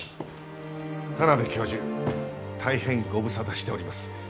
田邊教授大変ご無沙汰しております。